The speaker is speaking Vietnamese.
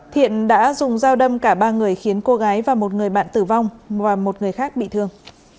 thiện đã dùng dao đâm cả ba người khiến cô gái và một người bạn tử vong và một người khác bị thương